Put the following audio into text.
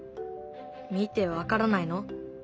見て分からないの？